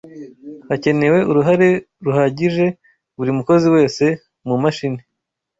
hakenewe uruhare ruhagije buri mukozi wese mumashini